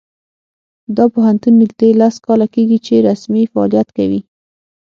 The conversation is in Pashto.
دا پوهنتون نږدې لس کاله کیږي چې رسمي فعالیت کوي